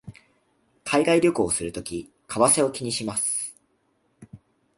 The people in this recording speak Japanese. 海外旅行をするとき為替を気にします